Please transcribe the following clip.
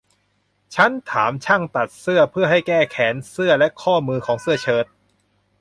ฉันถามช่างตัดเสื้อเพื่อให้แก้แขนเสื้อและข้อมือของเสื้อเชิ้ต